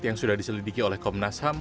yang sudah diselidiki oleh komnas ham